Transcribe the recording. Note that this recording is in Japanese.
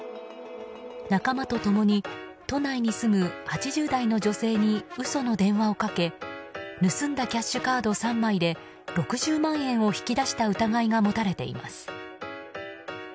仲間と共に都内に住む８０代の女性に嘘の電話をかけ盗んだキャッシュカード３枚で６０万円を引き出した疑いが持たれています。